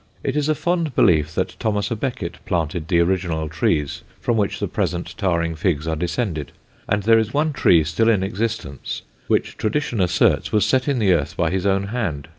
It is a fond belief that Thomas à Becket planted the original trees from which the present Tarring figs are descended; and there is one tree still in existence which tradition asserts was set in the earth by his own hand.